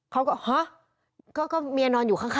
เขาก็ฮะก็เมียนอนอยู่ข้าง